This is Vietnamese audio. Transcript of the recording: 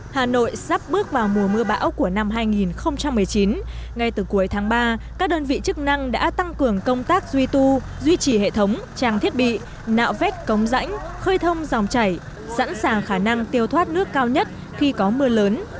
hà nội sắp bước vào mùa mưa bão của năm hai nghìn một mươi chín ngay từ cuối tháng ba các đơn vị chức năng đã tăng cường công tác duy tu duy trì hệ thống trang thiết bị nạo vét cống rãnh khơi thông dòng chảy sẵn sàng khả năng tiêu thoát nước cao nhất khi có mưa lớn